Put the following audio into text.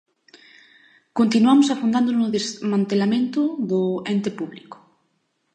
Continuamos afondando no desmantelamento do ente público.